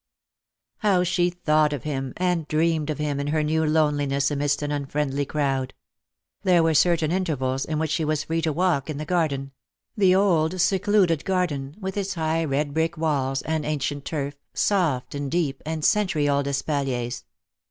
How she thought of him and dreamed of him in her new loneliness amidst an w friendly crowd ! There were certain intervals in which she was free to walk in the garden— the old secluded garden, with its high red brick walls, and ancient turf, soft and deep, and century old espaliers.